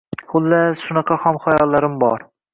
Xullas, shunaqa xomxayollarim bor.